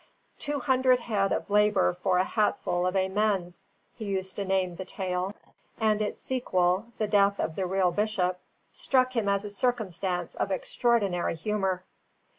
"Two hundred head of labour for a hatful of amens," he used to name the tale; and its sequel, the death of the real bishop, struck him as a circumstance of extraordinary humour.